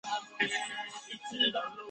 中国的冷锋有很大一部分位于隐槽中。